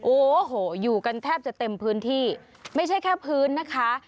โอ้โหอยู่กันแทบจะเต็มพื้นที่ไม่ใช่แค่พื้นนะคะ